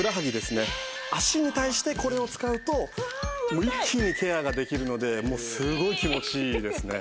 脚に対してこれを使うともう一気にケアができるのでもうすごい気持ちいいですね。